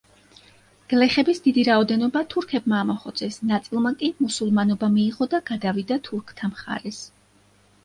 გლეხების დიდი რაოდენობა თურქებმა ამოხოცეს, ნაწილმა კი მუსულმანობა მიიღო და გადავიდა თურქთა მხარეს.